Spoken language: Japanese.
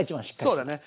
そうだね。